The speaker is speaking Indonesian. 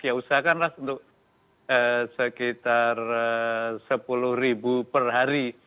ya usahakanlah untuk sekitar sepuluh ribu per hari